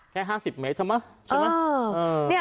แค่๕๐เมตรใช่มั้ย